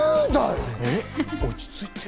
落ち着いてる。